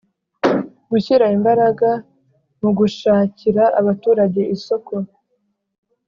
Gushyira imbaraga mu gushakira abaturage isoko